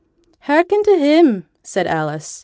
'Hearken to him!' said Alice.